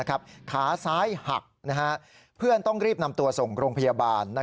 ขาซ้ายหักเพื่อนต้องรีบนำตัวส่งโรงพยาบาล